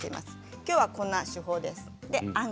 きょうはこんな手法です。